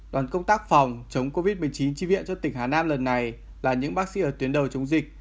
đoàn công tác phòng chống covid một mươi chín tri viện cho tỉnh hà nam lần này là những bác sĩ ở tuyến đầu chống dịch